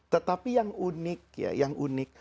tetapi yang unik